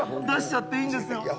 出しちゃっていいんですよ。